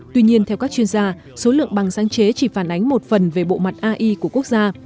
tuy nhiên theo các chuyên gia số lượng bằng sáng chế chỉ phản ánh một phần về bộ mặt ai của quốc gia